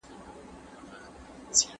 موږ تل په خپلو څېړنو کي ستونزي لرلې دي.